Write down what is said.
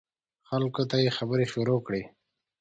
خلکو ته یې خبرې شروع کړې.